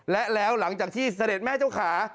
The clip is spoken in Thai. และแล้วหลังจากที่เสด็จแม่เจ้าขา